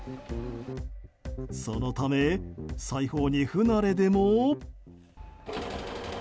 そのため裁縫に不慣れでも。